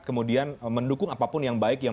kemudian mendukung apapun yang baik yang